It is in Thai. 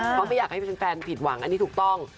เพราะไม่อยากให้แฟนผิดหวังอันนี้ถูกต้อง